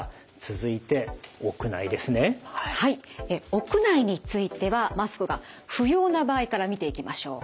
屋内についてはマスクが不要な場合から見ていきましょう。